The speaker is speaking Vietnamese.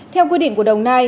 theo quy định của đồng nai